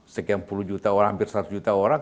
sekian puluh juta orang hampir seratus juta orang